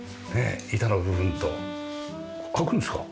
板の部分とこれ開くんですか？